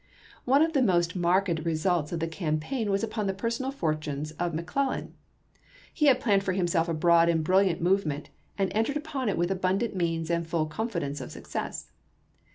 One of the most marked results of the campaign was upon the personal fortunes of McClellan. He had planned for himself a broad and brilliant movement, and entered upon it with abundant means and full confidence of success.